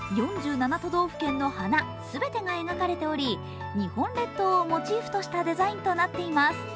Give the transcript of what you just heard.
４７都道府県の花、全てが描かれており、日本列島をモチーフとしてデザインとなっています。